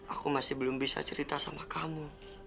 aku masih belum bisa cerita sama kamu